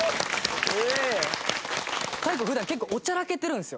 大光普段結構おちゃらけてるんですよ。